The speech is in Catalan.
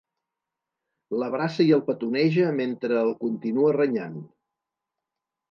L'abraça i el petoneja mentre el continua renyant.